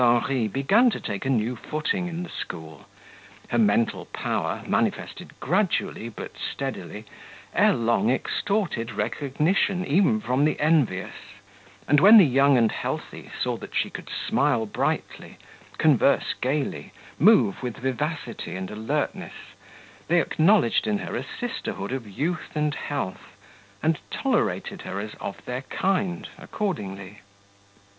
Henri began to take a new footing in the school; her mental power, manifested gradually but steadily, ere long extorted recognition even from the envious; and when the young and healthy saw that she could smile brightly, converse gaily, move with vivacity and alertness, they acknowledged in her a sisterhood of youth and health, and tolerated her as of their kind accordingly.